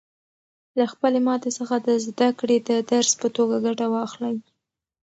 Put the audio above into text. له خپلې ماتې څخه د زده کړې د درس په توګه ګټه واخلئ.